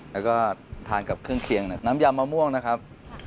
แล้วก็ทานกับเครื่องเคียงน้ำยำมะม่วงนะครับ